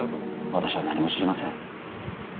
私は何も知りません